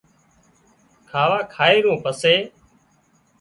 کاوا کائي رون پسي